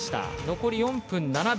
残り４分７秒。